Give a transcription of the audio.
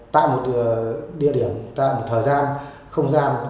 tại một địa điểm tại một thời gian không ra